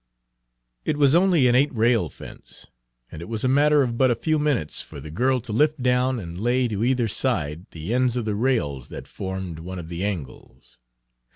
It was only an eight rail fence, and it was a matter of but a few minutes for the girl to lift down and lay to either side the ends of the rails that formed one of the angles.